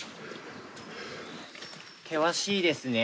険しいですね。